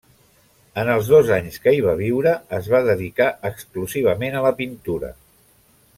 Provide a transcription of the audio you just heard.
En els dos anys que hi va viure, es va dedicar exclusivament a la pintura.